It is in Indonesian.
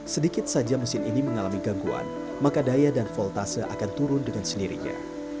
sedikit saja mesin ini mengalami gangguan maka daya dan voltase akan turun dengan sendirinya